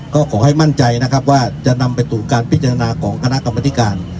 ก็ขอให้มั่นใจนะครับว่าจะนำไปสู่การพิจารณาของคณะกรรมธิการ